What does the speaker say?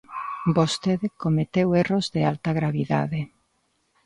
Vostede cometeu erros de alta gravidade.